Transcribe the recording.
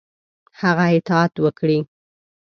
هغه اطاعت وکړي.